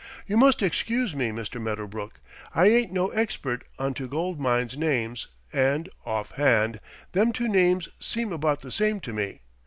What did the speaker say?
"You must excuse me, Mr. Medderbrook. I ain't no expert onto gold mines' names and, offhand, them two names seem about the same to me.